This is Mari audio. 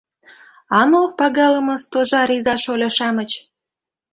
— А ну, пагалыме Стожар иза-шольо-шамыч!